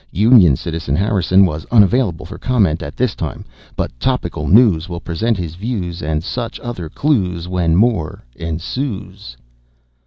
Union citizen Harrison was unavailable for comment at this time, but Topical News will present his views and such other clues when more ensues.